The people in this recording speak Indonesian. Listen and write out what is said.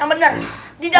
aduh ini dia